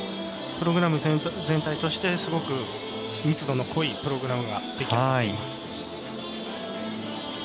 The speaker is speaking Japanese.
プログラム全体としてすごく密度の濃いプログラムができたと思います。